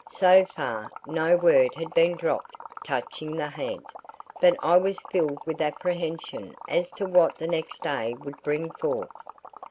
So far, no word had been dropped touching the ha'nt, but I was filled with apprehension as to what the next day would bring forth.